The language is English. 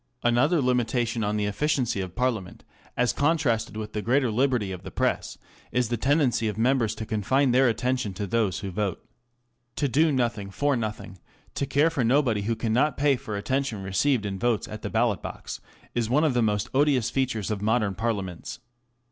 Another limitation on the efficiency of Parliament, as contrasted with the greater liberty of the Press, is the tendency of members to confine their attention to those who vote. To do nothing for nothing, to care for nobody who cannot pay for attention received in votes at the ballot box, is one of the most odious features of modern Parliaments.